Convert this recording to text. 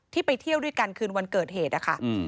ไปเที่ยวด้วยกันคืนวันเกิดเหตุนะคะ